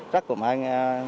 rất cố mà anh